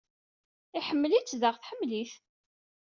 Iḥemmel-itt. Daɣ tḥemmel-it.